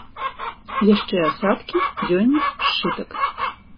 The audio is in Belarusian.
Яшчэ асадкі, дзённік, сшытак.